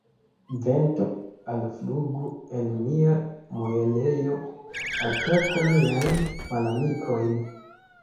Vento, alflugu el mia muelejo, ataku miajn malamikojn!